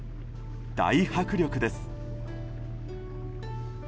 大迫力です。